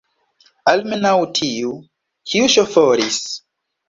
Almenaŭ tiu, kiu ŝoforis!